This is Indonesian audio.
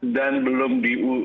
dan belum disetujui